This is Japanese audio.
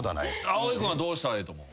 蒼井君はどうしたらええと思う？